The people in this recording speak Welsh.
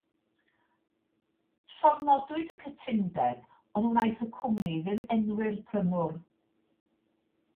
Llofnodwyd y cytundeb ond wnaeth y cwmni ddim enwi'r prynwr.